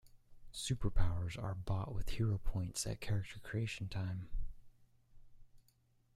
Superpowers are bought with Hero Points at character creation time.